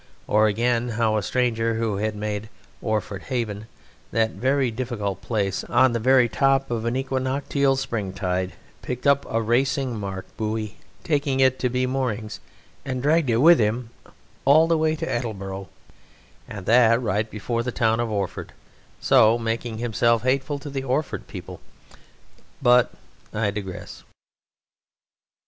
Or again how a stranger who had made Orford Haven (that very difficult place) on the very top of an equinoctial springtide, picked up a racing mark buoy, taking it to be moorings, and dragged it with him all the way to Aldborough, and that right before the town of Orford, so making himself hateful to the Orford people. But I digress....